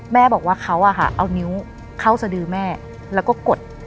แม่บอกว่าเขาเอานิ้วเข้าสดือแม่แล้วก็กด